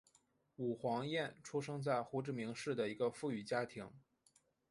武黄燕出生在胡志明市一个富裕的家庭。